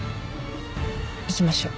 行きましょう。